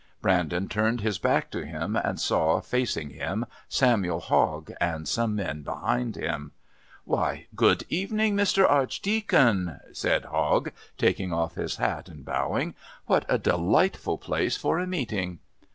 Brandon turned his back to him and saw, facing him, Samuel Hogg and some men behind him. "Why, good evening, Mr. Archdeacon," said Hogg, taking off his hat and bowing. "What a delightful place for a meeting!"